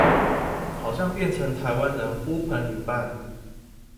好像變成台灣人呼朋引伴